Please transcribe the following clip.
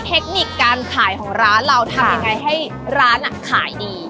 เทคนิคการขายของร้านเราทำยังไงให้ร้านขายดี